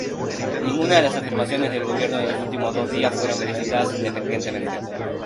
Ninguna de las afirmaciones del gobierno de los últimos dos días fueron verificadas independientemente.